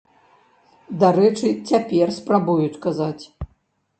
Дарэчы, цяпер спрабуюць казаць.